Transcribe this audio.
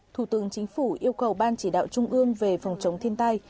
thủ tướng chính phủ yêu cầu ban chỉ đạo trung ương về phòng chống thiên tai